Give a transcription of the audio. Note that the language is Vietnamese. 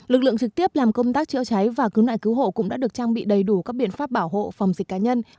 lực lượng trực tiếp làm công tác chữa cháy và cứu nạn cứu hộ cũng đã được trang bị đầy đủ các biện pháp bảo hộ phòng dịch cá nhân